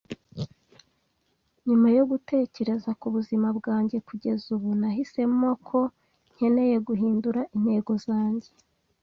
Nyuma yo gutekereza ku buzima bwanjye kugeza ubu, nahisemo ko nkeneye guhindura intego zanjye.